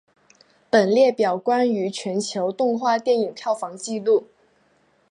本列表关于全球动画电影票房纪录。